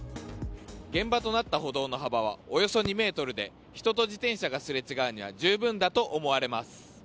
現場となった歩道の幅はおよそ２ｍで人と自転車がすれ違うには十分だと思われます。